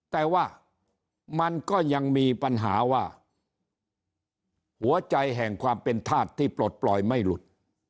แต่ว่ามันก็ยังมีปัญหาว่าหัวใจแห่งความเป็นธาตุที่ปลดปล่อยไม่หลุด